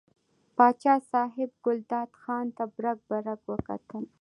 پاچا صاحب ګلداد خان ته برګ برګ وکتل.